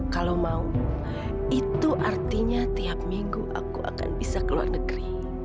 kalau mau itu artinya tiap minggu aku akan bisa ke luar negeri